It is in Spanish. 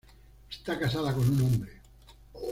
Está casada con un hombre.